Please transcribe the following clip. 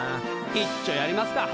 いっちょやりますか。